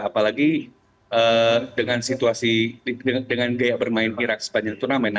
apalagi dengan situasi dengan gaya bermain irak sepanjang turnamen